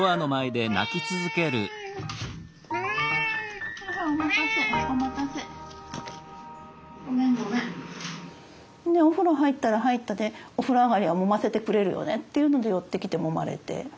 でお風呂入ったら入ったでお風呂上がりはもませてくれるよねっていうので寄ってきてもまれて。